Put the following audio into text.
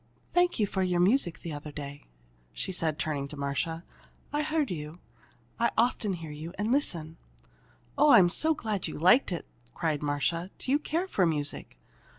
"Thank you for your music the other day," she said, turning to Marcia. "I heard you. I often hear you and listen." "Oh, I'm so glad you liked it!" cried Marcia. "Do you care for music?"